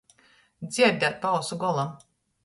Dzierdēt pa ausu golam.